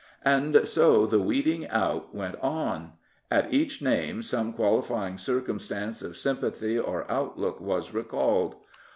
And so the weeding out went on. At each name some qualifying circumstance of S5mipathy or outlook was recalled.